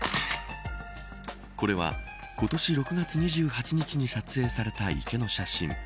これは今年６月２８日に撮影された池の写真。